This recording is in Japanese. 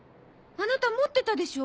アナタ持ってたでしょ？